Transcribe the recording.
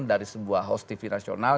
dari sebuah host tv nasional